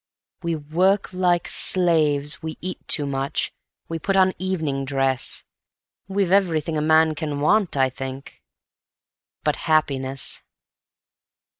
We work like slaves, we eat too much, we put on evening dress; We've everything a man can want, I think ... but happiness.